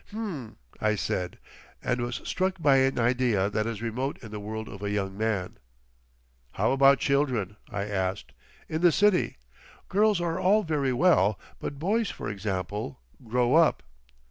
"H'm," I said, and was struck by an idea that is remote in the world of a young man. "How about children?" I asked; "in the City? Girls are all very well. But boys, for example—grow up."